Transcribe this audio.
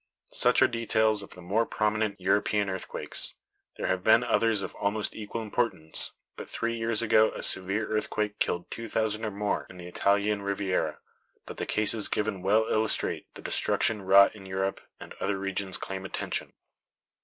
Such are details of the more prominent European earthquakes. There have been others of almost equal importance; but three years ago a severe earthquake killed two thousand or more in the Italian Riviera; but the cases given well illustrate the destruction wrought in Europe, and other regions claim attention.